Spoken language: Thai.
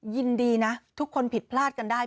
ยินดีนะทุกคนผิดพลาดกันได้